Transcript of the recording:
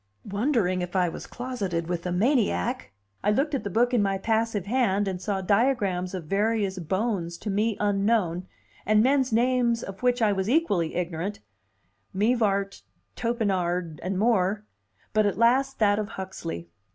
Wondering if I was closeted with a maniac, I looked at the book in my passive hand, and saw diagrams of various bones to me unknown, and men's names of which I was equally ignorant Mivart, Topinard, and more, but at last that of Huxley.